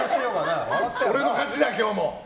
俺の勝ちだ、今日も！